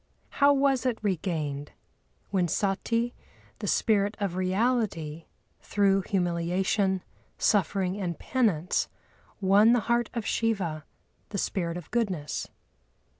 How was it regained? When Sati, the Spirit of Reality, through humiliation, suffering, and penance, won the Heart of Shiva, the Spirit of Goodness.